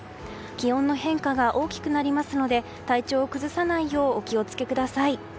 気温の変化が大きくなりますので体調を崩さないようお気を付けください。